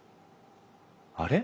あれ？